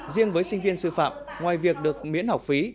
riêng với sinh viên sư phạm ngoài việc được miễn học phí